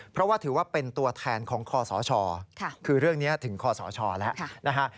เพราะว่าถือว่าเป็นตัวแทนของข้อสอชอคือเรื่องนี้ถึงข้อสอชอและ